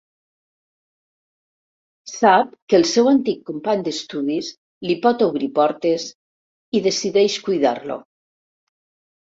Sap que el seu antic company d'estudis li pot obrir portes i decideix cuidar-lo.